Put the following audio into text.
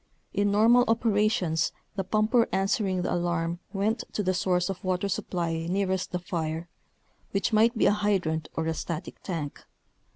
In normal operations the pumper answering the alarm went to the source of water supply nearest the fire, which might be a hydrant or a static tank.